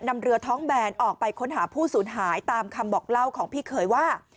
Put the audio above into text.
นำเรือท้องแบนออกไปค้นหาผู้สูญหายตามคำบอกเล่าของพี่เคยว่า